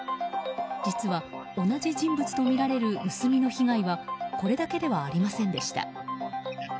実は同じ人物とみられる盗みの被害はこれだけではありませんでした。